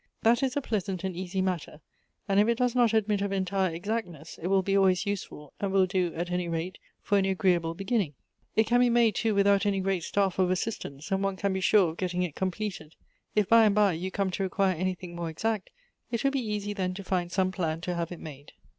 That is a pleasant and easy matter ; and if it does not admit of entire exactness, it will be always useful, and will do, at any rate, for an agreeable beginning. It can be made, too, without any great stafi" of assistants, and one can be sure of getting it completed. If by and by you come to require anything more exact, it will be easy then to find some plan to have it made."